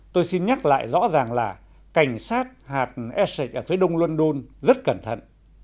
tôi xin nhắc lại rõ ràng là cảnh sát hạt essex ở phía đông london rất cẩn thận